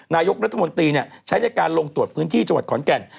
นายกรัฐมนตรีใช้ในการลงตรวจพื้นที่จังหวัดขอนแก่น